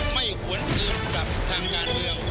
ไม่ควรเอาจับทางงานเดียว